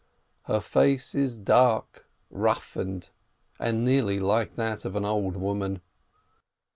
Her face is dark, rough ened, and nearly like that of an old woman.